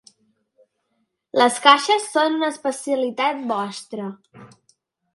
Les caixes són una especialitat vostra.